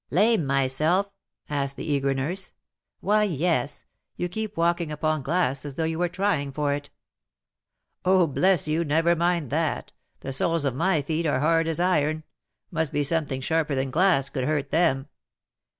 "Lame myself?" asked the eager nurse. "Why, yes; you keep walking upon glass as though you were trying for it." "Oh, bless you! never mind that; the soles of my feet are hard as iron; must be something sharper than glass could hurt them."